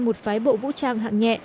một phái bộ vũ trang hạng nhẹ